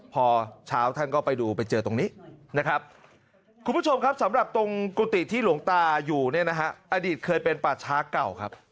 พอเช้าท่านก็ไปดูไปเจอตรงนี้นะครับ